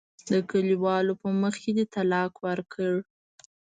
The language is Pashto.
د کلیوالو په مخ کې دې طلاق ورکړه.